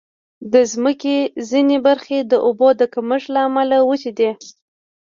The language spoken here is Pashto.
د مځکې ځینې برخې د اوبو د کمښت له امله وچې دي.